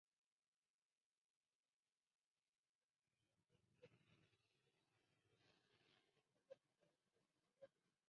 La dimisión se hizo efectiva al día siguiente.